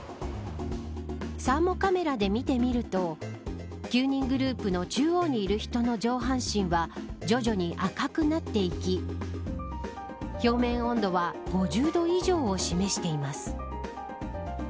サーモカメラで見てみると９人グループの中央にいる人の上半身は徐々に赤くなっていき表面温度は５０度以上を示しています。